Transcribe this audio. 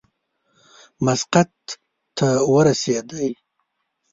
مسقط ته ورسېدی.